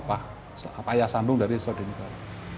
ayah sambung dari secodiningrat